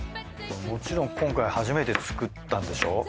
もちろん今回初めて作ったんでしょ？